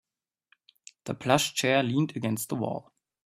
The plush chair leaned against the wall.